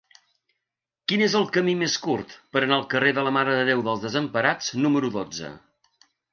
Quin és el camí més curt per anar al carrer de la Mare de Déu dels Desemparats número dotze?